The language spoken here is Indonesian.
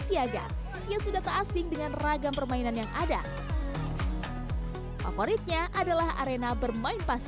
siaga yang sudah tak asing dengan ragam permainan yang ada favoritnya adalah arena bermain pas